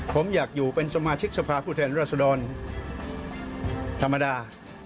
ผมอยากอยู่เป็นสมาชิกสภาพผู้แทนรัศดรธรรมดา